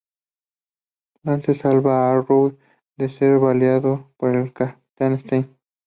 Lance salva a "Arrow" de ser baleado por el capitán Stein.